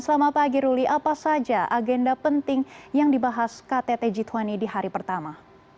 selamat pagi ruli apa saja agenda penting yang dibahas ktt g dua puluh di hari pertama